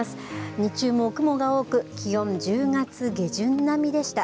日中も雲が多く気温、１０月下旬並みでした。